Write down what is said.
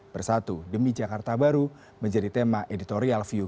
bersatu demi jakarta baru menjadi tema editorial view